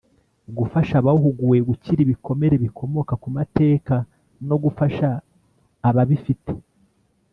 Gufasha abahuguwe gukira ibikomere bikomoka ku mateka no gufasha ababifite